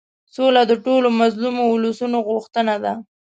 سوله د ټولو مظلومو اولسونو غوښتنه ده.